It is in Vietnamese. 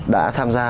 đã tham gia